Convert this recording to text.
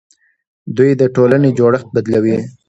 دوی د ټولنې جوړښت بدلوي.